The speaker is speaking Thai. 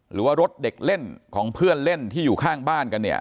หรือว่ารถเด็กเล่นของเพื่อนเล่นที่อยู่ข้างบ้านกันเนี่ย